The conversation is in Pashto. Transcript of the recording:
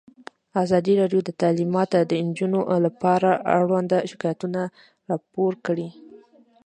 ازادي راډیو د تعلیمات د نجونو لپاره اړوند شکایتونه راپور کړي.